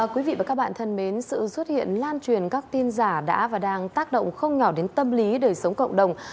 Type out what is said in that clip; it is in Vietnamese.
quý vị và các bạn thân mến sự xuất hiện lan truyền các tin giả đã và đang tác động không nhỏ đến tâm lý đời sống cộng đồng